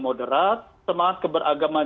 moderat semangat keberagaman